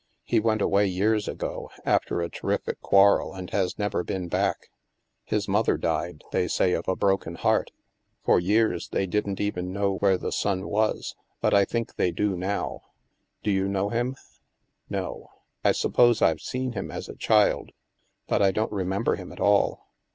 He went away years ago, after a terrific quarrel, and has never been back. His mother died, they say, of a broken heart. For years they didn't even know where the son was, but I think they do now." " Do you know him? "" No. I suppose I've seen him, as a child, but I don't remember him at all.